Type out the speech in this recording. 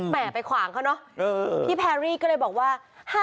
ไปขวางเขาเนอะพี่แพรรี่ก็เลยบอกว่า